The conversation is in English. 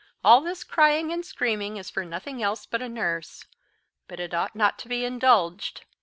"All this crying and screaming is for nothing else but a nurse; but it ought not to be indulged.